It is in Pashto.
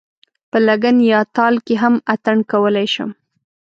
په لګن یا تال کې هم اتڼ کولای شم.